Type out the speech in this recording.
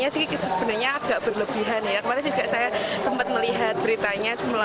sebenarnya agak berlebihan ya kemarin juga saya sempat melihat beritanya